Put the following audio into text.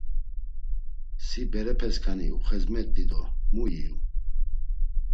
Si berepeskanis uxezmeti do mu iyu?